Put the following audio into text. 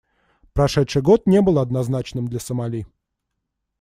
Прошедший год не был однозначным для Сомали.